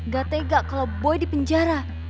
gak tega kalau boy dipenjara